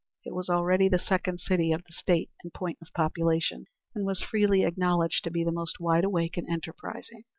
It was already the second city of the State in point of population, and was freely acknowledged to be the most wide awake and enterprising.